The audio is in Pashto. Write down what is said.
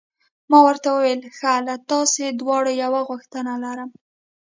ما ورته وویل: ښه، له تاسي دواړو یوه غوښتنه لرم.